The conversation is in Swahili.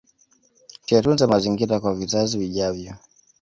Tuyatunze mazingira kwa vizazi vijavyo